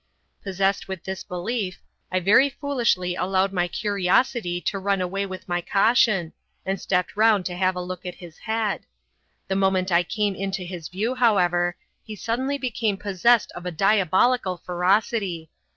Possessed with this belief, I very foolishly allowed my curiosity to run away with my caution, and stepped round to have a look at his head. The moment I came into his view, however, he suddenly became possessed of a diabolical ferocity.